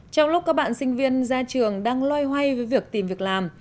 trong lúc các bạn sinh viên ra trường đang loay hoay với việc tìm việc làm